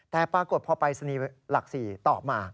แต่ปรากฏพอปรายศนีย์หลัก๔ตอบมา